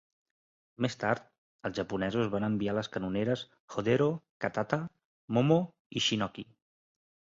Més tard, els japonesos van enviar les canoneres "Hodero", "Katata", "Momo" i "Shinoki".